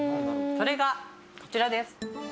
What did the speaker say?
それがこちらです。